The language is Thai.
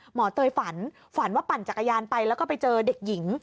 เตยฝันฝันว่าปั่นจักรยานไปแล้วก็ไปเจอเด็กหญิง